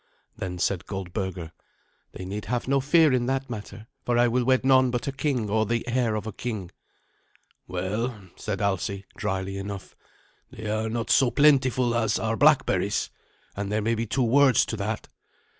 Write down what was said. Then said Goldberga, "They need have no fear in that matter, for I will wed none but a king or the heir of a king." "Well," said Alsi, dryly enough, "they are not so plentiful as are blackberries, and there may be two words to that."